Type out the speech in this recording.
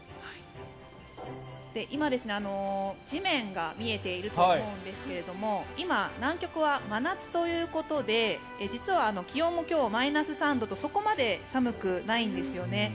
今、地面が見えていると思うんですが今、南極は真夏ということで実は気温も今日マイナス３度とそこまで寒くないんですよね。